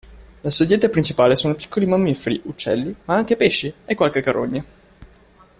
La sua dieta principale sono piccoli mammiferi, uccelli, ma anche pesci, e qualche carogna.